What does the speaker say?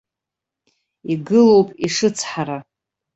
Игылоуп ишыцҳара.